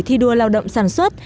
thi đua lao động sản xuất